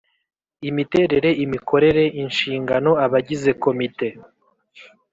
Imiterere imikorere inshingano abagize komite